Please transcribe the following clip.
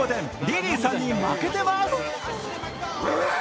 リリーさんに負けてます。